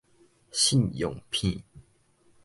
信用片